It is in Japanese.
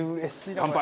乾杯！